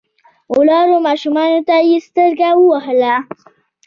ولاړو ماشومانو ته يې سترګه ووهله.